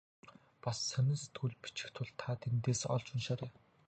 Бас сонин сэтгүүлд бичих тул та тэндээс олж уншаарай.